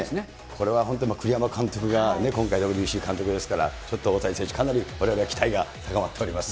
これは本当に栗山監督が、今回、ＷＢＣの監督ですからちょっと大谷選手、かなりわれわれは期待が高まっております。